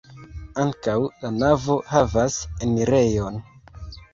Ankaŭ la navo havas enirejon.